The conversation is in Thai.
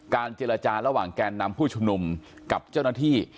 เจรจาระหว่างแกนนำผู้ชุมนุมกับเจ้าหน้าที่